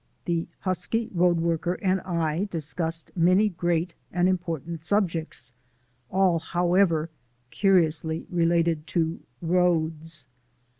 the husky road worker and I discussed many great and important subjects, all, however, curiously related to roads.